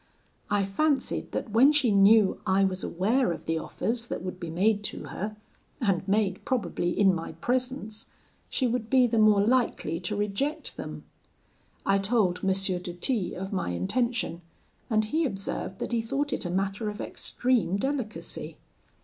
I fancied that when she knew I was aware of the offers that would be made to her, and made probably in my presence, she would be the more likely to reject them. I told M. de T of my intention, and he observed that he thought it a matter of extreme delicacy.